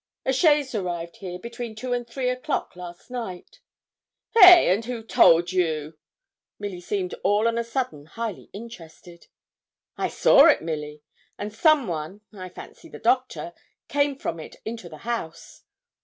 'A chaise arrived here between two and three o'clock last night.' 'Hey! and who told you?' Milly seemed all on a sudden highly interested. 'I saw it, Milly; and some one, I fancy the doctor, came from it into the house.'